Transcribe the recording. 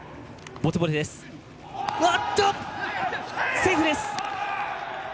セーフです。